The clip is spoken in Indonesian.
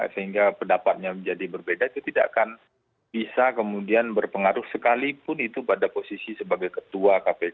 sehingga pendapatnya menjadi berbeda itu tidak akan bisa kemudian berpengaruh sekalipun itu pada posisi sebagai ketua kpk